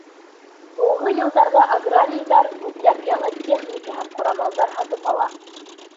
Һуңғы йылдарҙа аграрийҙар күпләп яңы техника һәм ҡорамалдар һатып ала.